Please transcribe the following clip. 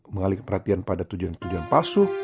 mengalih perhatian pada tujuan tujuan palsu